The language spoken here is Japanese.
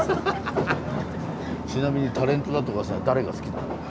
ちなみにタレントだと誰が好きなの？